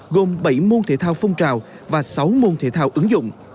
gồm bảy môn thể thao phong trào và sáu môn thể thao ứng dụng